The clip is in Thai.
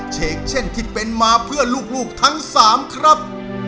เชกเช่นที่เป็นมาเพื่อลูกทั้ง๓ครับ